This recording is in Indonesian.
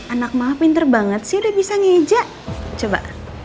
anak maaf pinter banget sih udah bisa ngeja coba